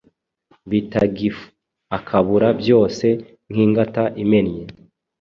bitagif Akabura byose nk’ingata imennye;